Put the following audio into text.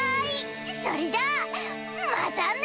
それじゃあまたね！